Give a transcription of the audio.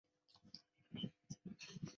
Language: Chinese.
罗讷河畔阿尔拉。